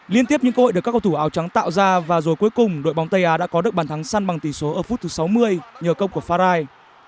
liên tiếp những cơ hội được các cầu thủ áo trắng tạo ra và rồi cuối cùng đội bóng tây á đã có được bàn thắng săn bằng tỷ số ở phút thứ sáu mươi nhờ công của farai